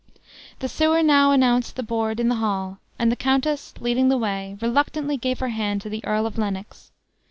The sewer now announced the board in the hall; and the countess leading the way, reluctantly gave her hand to the Earl of Lennox.